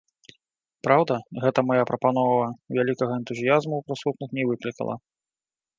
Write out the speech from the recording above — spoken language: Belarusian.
Праўда, гэтая мая прапанова вялікага энтузіязму прысутных не выклікала.